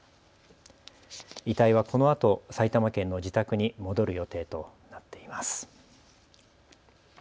遺体はこのあと埼玉県の自宅に戻る予定となっています。